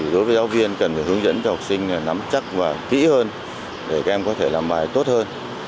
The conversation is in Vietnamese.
đối với giáo viên cần phải hướng dẫn cho học sinh nắm chắc và kỹ hơn để các em có thể làm bài tốt hơn